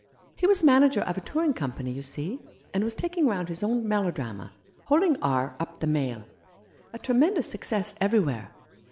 He was manager of a touring company, you see, and was taking round his own melodrama, Holding r up the Mail — a tremendous success everywhere.